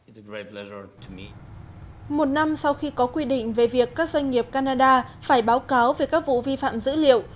một năm sau khi có quy định về việc các doanh nghiệp canada phải báo cáo về các vụ vi phạm dữ liệu